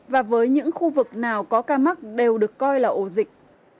và với những khu vực nào có ca mắc đều được coi là ổ dịch